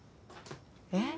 え？